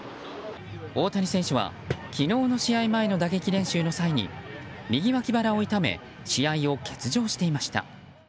大谷選手は昨日の試合前の打撃練習の際に右脇腹を痛め試合を欠場していました。